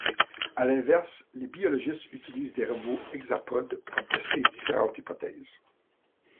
À l'inverse, les biologistes utilisent des robots hexapodes pour tester différentes hypothèses.